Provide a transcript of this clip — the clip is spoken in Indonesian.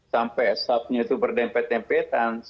sampai asapnya itu berdempet dempetan